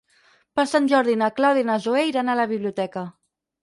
Per Sant Jordi na Clàudia i na Zoè iran a la biblioteca.